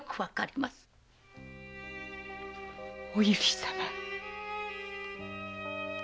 お由利様。